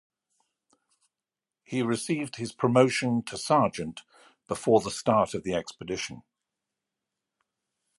He received his promotion to sergeant before the start of the expedition.